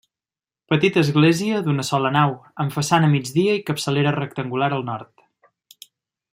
Petita església d'una sola nau, amb façana a migdia i capçalera rectangular al nord.